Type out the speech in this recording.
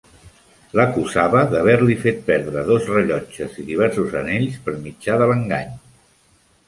L'acusava d'haver-li fet perdre dos rellotges i diversos anells per mitjà de l'engany.